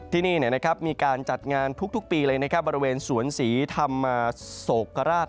ที่นี่มีการจัดงานทุกปีเลยบริเวณสวนศรีธรรมโศกราช